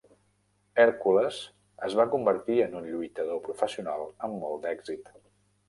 Hèrcules es va convertir en un lluitador professional amb molt d'èxit.